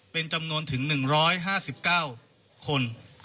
เป็นจำนวนถึง๑๕๙คน